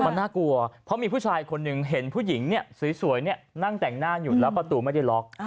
มันน่ากลัวเพราะมีผู้ชายคนหนึ่งเห็นผู้หญิงสวยนั่งแต่งหน้าอยู่แล้วประตูไม่ได้ล็อก